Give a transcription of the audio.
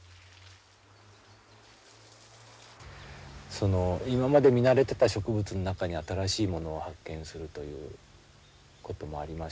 その今まで見慣れてた植物の中に新しいものを発見するということもありましてね。